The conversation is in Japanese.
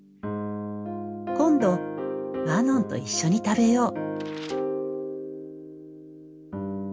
今度マノンと一緒に食べよう。